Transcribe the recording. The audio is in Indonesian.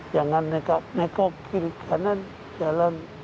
jangan nekok kiri kanan jalan